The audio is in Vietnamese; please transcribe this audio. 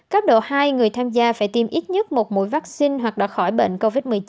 cấp độ hai người tham gia phải tiêm ít nhất một mũi vaccine hoặc đã khỏi bệnh covid một mươi chín